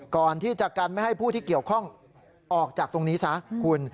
ก่อนที่จะกันไม่ให้ผู้ที่เกี่ยวข้องออกจากตรงนี้ซะคุณ